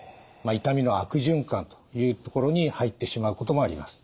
痛みの悪循環というところに入ってしまうこともあります。